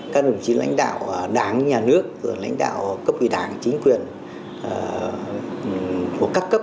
các đồng chí lãnh đạo đảng nhà nước lãnh đạo cấp ủy đảng chính quyền của các cấp